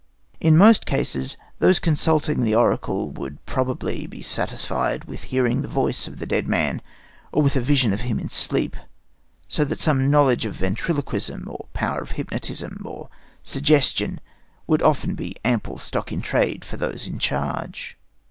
In most cases those consulting the oracle would probably be satisfied with hearing the voice of the dead man, or with a vision of him in sleep, so that some knowledge of ventriloquism or power of hypnotism or suggestion would often be ample stock in trade for those in charge.